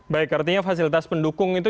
baik artinya fasilitas pendukung itu